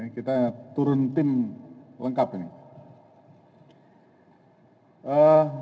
kita turun tim lengkap ini